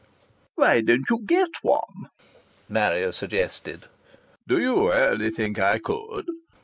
"Why don't you get one?" Marrier suggested. "Do you really think I could?"